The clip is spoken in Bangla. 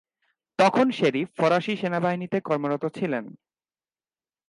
তখন শেরিফ ফরাসি সেনাবাহিনীতে কর্মরত ছিলেন।